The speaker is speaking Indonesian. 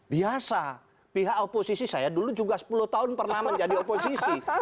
biasa pihak oposisi saya dulu juga sepuluh tahun pernah menjadi oposisi